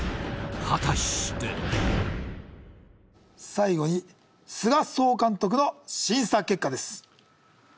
果たして最後に須賀総監督の審査結果です